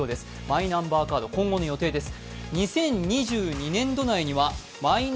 マイナンバーカード、今後の予定です。